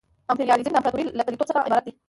امپریالیزم د امپراطورۍ له پلویتوب څخه عبارت دی